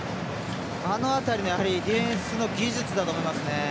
あの辺り、やはりディフェンスの技術だと思いますね。